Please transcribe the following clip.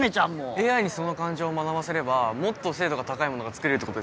ＡＩにその感情を学ばせればもっと精度が高いものがつくれるってことですよね。